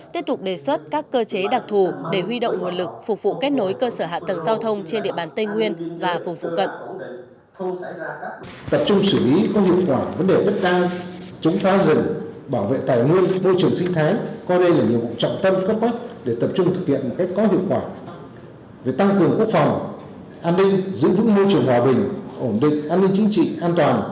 tiếp tục đề xuất các cơ chế đặc thù để huy động nguồn lực phục vụ kết nối cơ sở hạ tầng giao thông trên địa bàn tây nguyên và vùng phụ cận